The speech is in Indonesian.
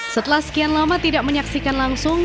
setelah sekian lama tidak menyaksikan langsung